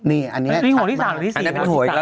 นี่อันนี้ชัดมาอันนี้หัวที่๓แล้วหรอ